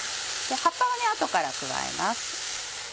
葉っぱは後から加えます。